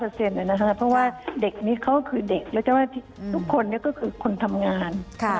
เพราะว่าเด็กนี้เขาคือเด็กและทุกคนนี้ก็คือคนทำงาน